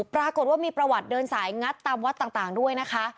ปรากฏว่ามีประวัติเดินสายงัดตามวัดต่างด้วยนะคะ